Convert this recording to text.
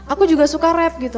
aku juga suka rap gitu